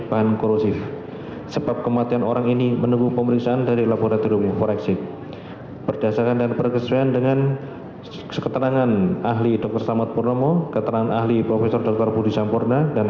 pemeriksaan seorang perempuan